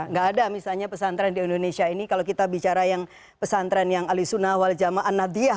nggak ada misalnya pesantren di indonesia ini kalau kita bicara yang pesantren yang ali sunnah ali jamaah an nadiyah